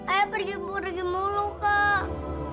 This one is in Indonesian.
ayah berhibur pergi mulu kak